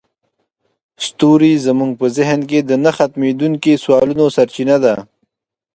ستوري زموږ په ذهن کې د نه ختمیدونکي سوالونو سرچینه ده.